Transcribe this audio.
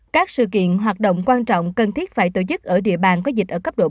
các sự kiện hoạt động quan trọng cần thiết phải tổ chức ở địa bàn có dịch ở cấp độ bốn